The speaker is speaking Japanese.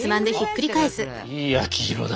いい焼き色だ。